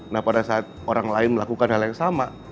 nah pada saat orang lain melakukan hal yang sama